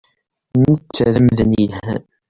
Netta d amdan yelhan.